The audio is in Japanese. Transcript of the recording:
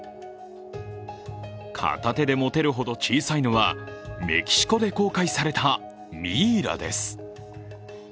片手で持てるほど小さいのはメキシコで公開されたミイラです。